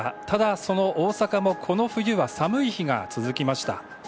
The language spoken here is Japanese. ただ、その大阪もこの冬は寒い日が続きました。